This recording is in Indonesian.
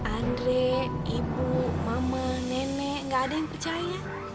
andre ibu mama nenek gak ada yang percaya